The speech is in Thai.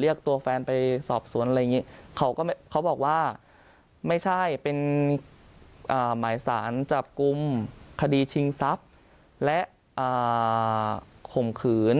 เรียกตัวแฟนไปสอบสวนอะไรอย่างนี้เขาก็เขาบอกว่าไม่ใช่เป็นหมายสารจับกลุ่มคดีชิงทรัพย์และข่มขืน